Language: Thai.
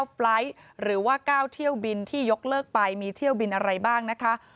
ไฟล์ทหรือว่า๙เที่ยวบินที่ยกเลิกไปมีเที่ยวบินอะไรบ้างนะคะ